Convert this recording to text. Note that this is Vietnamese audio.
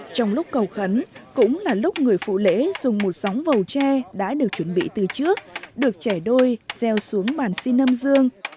trong lúc cầu khấn cũng là lúc người phụ lễ dùng một sóng vầu tre đã được chuẩn bị từ trước được trẻ đôi gieo xuống bàn si nam dương